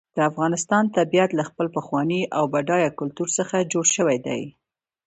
د افغانستان طبیعت له خپل پخواني او بډایه کلتور څخه جوړ شوی دی.